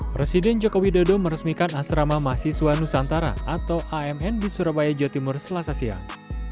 presiden joko widodo meresmikan asrama mahasiswa nusantara atau amn di surabaya jawa timur selasa siang